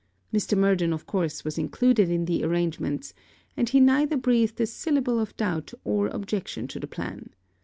Mr. Murden of course was included in the arrangements; and he neither breathed a syllable of doubt or objection to the plan.